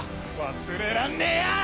忘れらんねえよ！